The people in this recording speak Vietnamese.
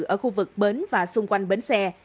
ở khu vực bến và xung quanh bến xe